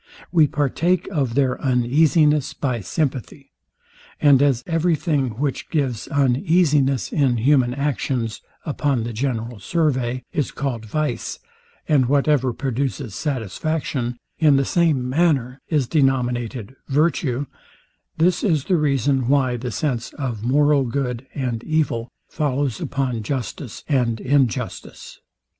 We partake of their uneasiness by sympathy; and as every thing, which gives uneasiness in human actions, upon the general survey, is called Vice, and whatever produces satisfaction, in the same manner, is denominated Virtue; this is the reason why the sense of moral good and evil follows upon justice and injustice.